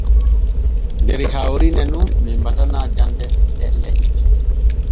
Der hawrine nun men batana jande ɗelle.